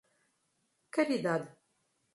Caridade